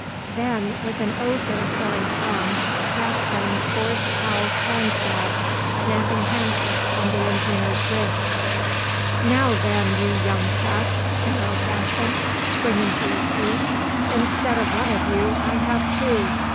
Then, with an oath in a foreign tongue, Gaston forced Hal's hands back, snapping handcuffs on the engineer's wrists. "Now, then, you young pest!" snarled Gaston, springing to his feet. "Instead of one of you, I have two.